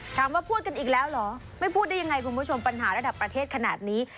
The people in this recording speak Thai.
พูดกันอีกแล้วเหรอไม่พูดได้ยังไงคุณผู้ชมปัญหาระดับประเทศขนาดนี้